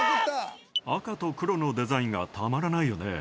赤と黒のデザインがたまらないよね。